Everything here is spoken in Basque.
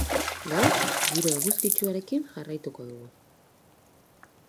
Gaur, giro eguzkitsuarekin jarraituko dugu.